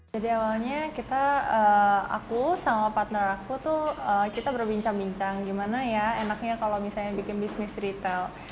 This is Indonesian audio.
jadi awalnya kita aku sama partner aku tuh kita berbincang bincang gimana ya enaknya kalau misalnya bikin bisnis retail